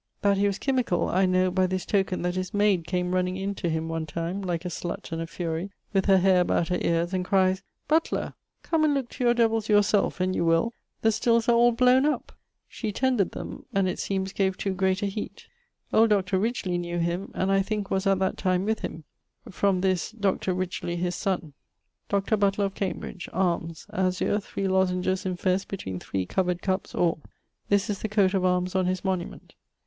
That he was chymical I know by this token that his mayd came running in to him one time, like a slutt and a furie, with her haire about her eares, and cries, 'Butler! come and looke to your Devills yourselfe, and you will: the stills are all blowne up!' She tended them, and it seemes gave too great a heate. Old Dr. Ridgely[BQ] knew him, and I thinke was at that time with him. From this Dr. Ridgely his sonne. Dr. Butler of Cambridge: <_Arms_: > 'azure, three lozenges in fess between 3 covered cups or. This is the coate of armes on his monument.